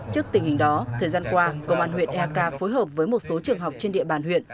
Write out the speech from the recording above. trước tình hình đó thời gian qua công an huyện eak phối hợp với một số trường học trên địa bàn huyện